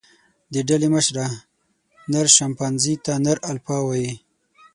د ډلې مشره، نر شامپانزي ته نر الفا وایي.